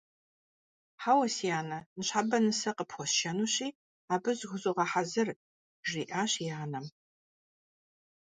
Хьэуэ, си анэ, ныщхьэбэ нысэ къыпхуэсшэнущи, абы зыхузогъэхьэзыр, - жриӀащ и анэм.